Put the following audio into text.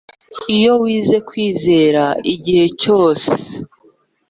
iyo wize kwizera igihe cyose